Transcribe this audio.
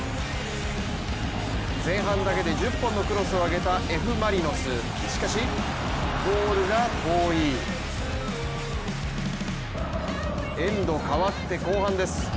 前半だけで１０本のクロスを上げたＦ・マリノス、エンドかわって後半です。